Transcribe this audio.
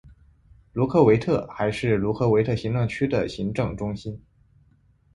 卢科维特还是卢科维特行政区的行政中心。